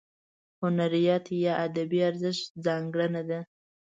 هنریت یا ادبي ارزښت ځانګړنه ده.